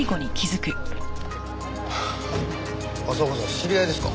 知り合いですか？